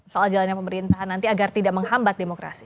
soal jalannya pemerintahan nanti agar tidak menghambat demokrasi